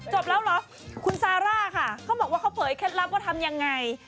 จบแล้วเหรอคุณซาร่าค่ะเขาบอกว่าเขาเผยเคล็ดลับว่าทำยังไง